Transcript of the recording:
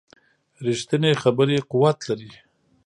ریښتینې خبرې قوت لري